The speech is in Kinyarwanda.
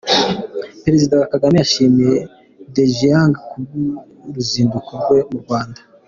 Perezida Kagame yashimiye Dejiang ku bw’uruzinduko rwe mu Rwanda